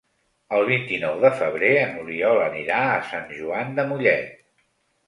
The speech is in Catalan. El vint-i-nou de febrer n'Oriol anirà a Sant Joan de Mollet.